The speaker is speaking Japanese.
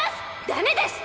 ダメです！